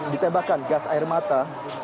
ditembakan gas air mata